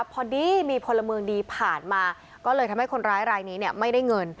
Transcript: พอดีมีพลเมืองดีผ่านมาก็เลยทำให้คนร้ายรายนี้เนี่ยไม่ได้เงิน